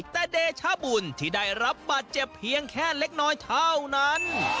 แต่เดชบุญที่ได้รับบาดเจ็บเพียงแค่เล็กน้อยเท่านั้น